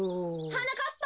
はなかっぱ！